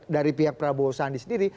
dari pihak prabowo sandi sendiri